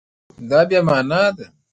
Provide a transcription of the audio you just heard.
دا بې مانا ده